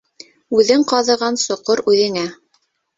Үҙең ҡаҙыған соҡор үҙеңә.